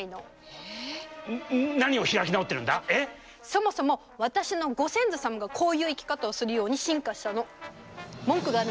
そもそも私のご先祖様がこういう生き方をするように進化したの。